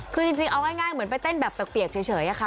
คือจริงเอาง่ายเหมือนไปเต้นแบบเปียกเฉยค่ะ